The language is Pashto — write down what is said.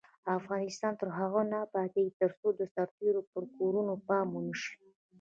افغانستان تر هغو نه ابادیږي، ترڅو د سرتیرو پر کورنیو پام ونشي.